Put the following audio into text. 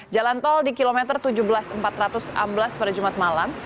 jalan tol di kilometer tujuh belas empat ratus amblas pada jumat malam